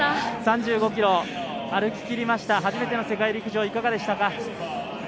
３５ｋｍ歩ききりました、初めての世界陸上いかがでしたか？